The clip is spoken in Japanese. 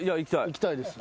いきたいです。